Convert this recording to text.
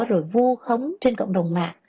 rồi vô khống trên cộng đồng mạng